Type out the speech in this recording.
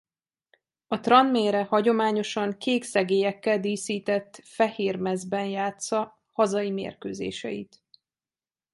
A Tranmere hagyományosan kék szegélyekkel díszített fehér mezben játssza hazai mérkőzéseit.